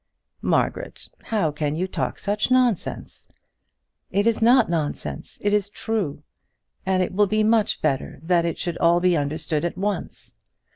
"Margaret, how can you talk such nonsense?" "It is not nonsense; it is true; and it will be much better that it should all be understood at once.